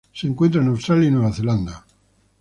Se encuentra en Australia y Nueva Zelanda